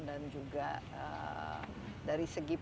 dan juga dari segi penggunaan